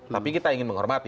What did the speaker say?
tapi kita ingin menghormati